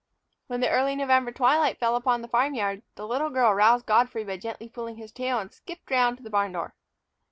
When the early November twilight fell upon the farm yard, the little girl roused Godfrey by gently pulling his tail and skipped round to the barn door.